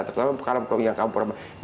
terutama pak pram yang kamu pernah